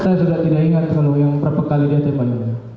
saya sudah tidak ingat kawan kawan berapa kali dia tembak